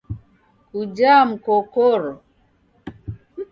Kujaa mkokoro?